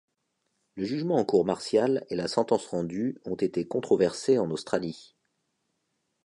Le jugement en cour martiale et la sentence rendue ont été controversés en Australie.